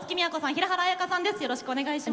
平原綾香さんです。